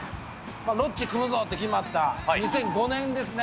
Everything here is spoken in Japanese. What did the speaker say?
ロッチ組むぞって決まった２００５年ですね。